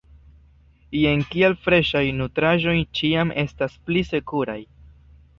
Jen kial freŝaj nutraĵoj ĉiam estas pli sekuraj.